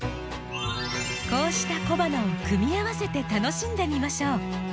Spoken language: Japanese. こうした小花を組み合わせて楽しんでみましょう。